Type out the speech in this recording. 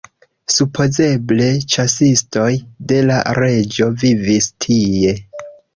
Supozeble ĉasistoj de la reĝo vivis tie.